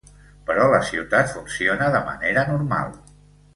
Però la ciutat funciona de manera normal.